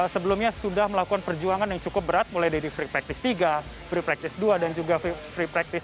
sebelumnya sudah melakukan perjuangan yang cukup berat mulai dari free practice tiga free practice dua dan juga free practice